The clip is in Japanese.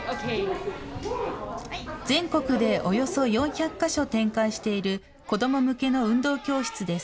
全国でおよそ４００か所展開している、子ども向けの運動教室です。